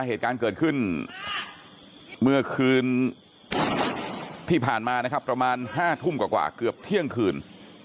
เหตุการณ์เกิดขึ้นเมื่อคืนที่ผ่านมานะครับประมาณ๕ทุ่มกว่าเกือบเที่ยงคืน